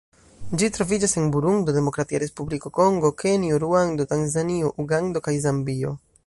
Ĝi troviĝas en Burundo, Demokratia Respubliko Kongo, Kenjo, Ruando, Tanzanio, Ugando kaj Zambio.